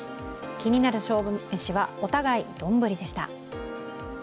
気になる勝負めしはお互い丼でした。